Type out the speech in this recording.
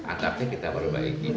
atapnya kita baru baikin